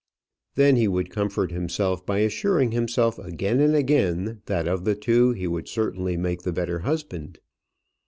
Then he would comfort himself by assuring himself again and again that of the two he would certainly make the better husband.